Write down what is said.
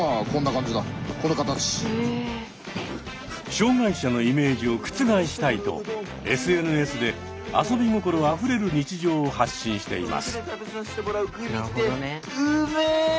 障害者のイメージを覆したいとＳＮＳで遊び心あふれる日常を発信しています。